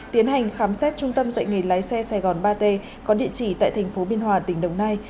tiến hành khám xét trung tâm dạy nghề lái xe sài gòn ba t có địa chỉ tại thành phố biên hòa tỉnh đồng nai